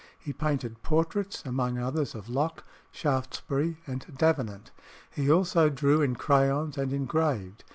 He painted portraits, among others, of Locke, Shaftesbury, and Davenant. He also drew in crayons, and engraved.